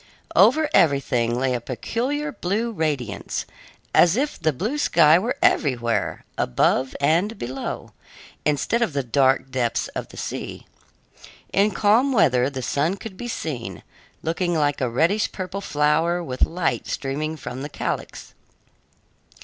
Over everything lay a peculiar blue radiance, as if the blue sky were everywhere, above and below, instead of the dark depths of the sea. In calm weather the sun could be seen, looking like a reddish purple flower with light streaming from the calyx.